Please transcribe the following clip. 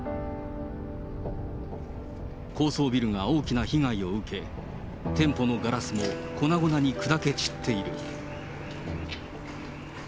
高層ビルが大きな被害を受け、店舗のガラスも粉々に砕け散っている。